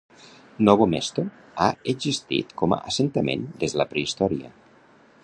Novo Mesto ha existit com a assentament des de la prehistòria.